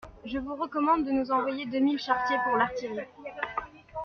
Je vous recommande de nous envoyer deux mille charretiers pour l'artillerie.